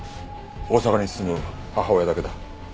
大阪に住む母親だけだ。